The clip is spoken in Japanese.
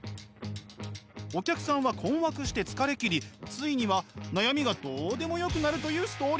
お客さんは困惑して疲れ切りついには悩みがどうでもよくなるというストーリー。